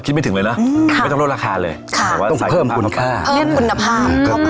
จากสถานการณ์โควิทย์แน่นอน